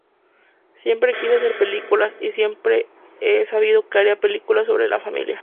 Siempre quise hacer películas, y siempre he sabido que haría películas sobre la familia".